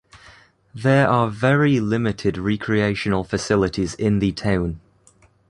There are very limited recreational facilities in the town.